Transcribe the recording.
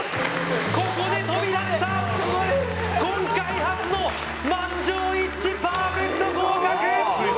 ここで飛び出した今回初の満場一致パーフェクト合格